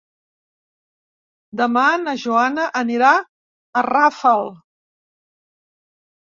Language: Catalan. Demà na Joana anirà a Rafal.